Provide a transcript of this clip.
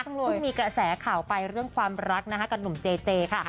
เพิ่งมีกระแสข่าวไปเรื่องความรักนะคะกับหนุ่มเจเจค่ะ